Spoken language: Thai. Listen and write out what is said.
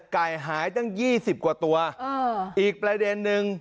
ไก่หายตั้ง๒๐กว่าตัวอีกประเด็นนึง